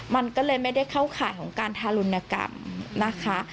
มันก็เลยไม่ได้เข้าข่ายของการทารุณกรรมนะคะ